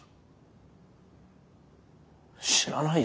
知らないよ